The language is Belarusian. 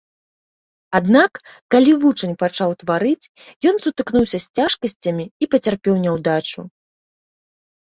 Аднак калі вучань пачаў тварыць, ён сутыкнуўся з цяжкасцямі і пацярпеў няўдачу.